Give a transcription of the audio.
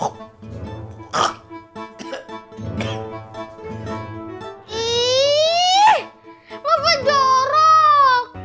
ih bapak jorok